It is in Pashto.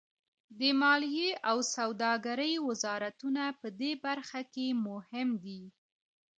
د مالیې او سوداګرۍ وزارتونه پدې برخه کې مهم دي